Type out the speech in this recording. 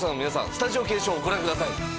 スタジオ検証をご覧ください。